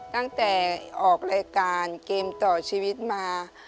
ตั้งแต่ออกรายการเกมต่อชีวิตมา